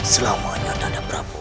selamanya nanda prabu